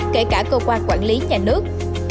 kể cả cơ quan quản lý nhà nước